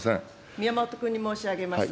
宮本君に申し上げます。